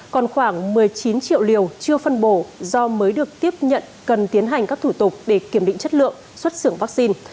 còn khoảng một mươi chín triệu liều chưa phân bổ do mới được tiếp nhận cần tiến hành các thủ tục để kiểm định chất lượng xuất xưởng vaccine